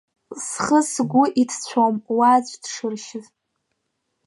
Схы-сгәы иҭҵәом уа аӡә дшыршьыз.